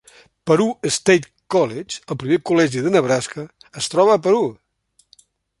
Peru State College, el primer col·legi de Nebraska, es troba a Peru.